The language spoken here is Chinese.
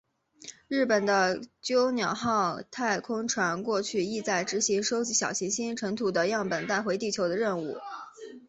日本的隼鸟号太空船过去亦在执行收集小行星尘土的样本带回地球的任务。